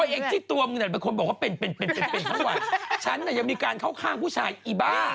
เองที่ตัวมึงเนี่ยเป็นคนบอกว่าเป็นเป็นทั้งวันฉันน่ะยังมีการเข้าข้างผู้ชายอีบ้า